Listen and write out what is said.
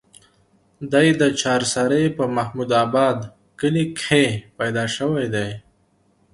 دے د چارسرې پۀ محمود اباد کلي کښې پېدا شوے دے